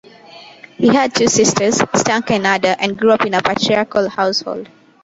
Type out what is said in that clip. He had two sisters, Stanka and Nada, and grew up in a patriarchal household.